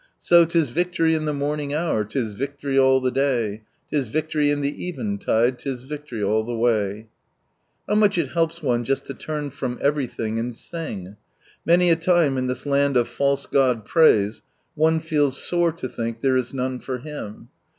So— 'tis victory in the morning hour, 'tis victory nil the 'lay. 'Tis victory in the eventide, 'tis victory all the way '." How much it helps one just to turn from everything, and sing ! Many a lime in this land of false god praise one feels sore to think there is none for Him.